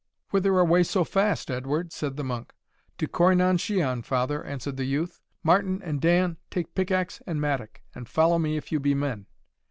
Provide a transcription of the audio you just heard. "Whither away so fast, Edward?" said the monk. "To Corri nan shian, Father," answered the youth. "Martin and Dan, take pickaxe and mattock, and follow me if you be men!"